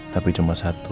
tapi cuma satu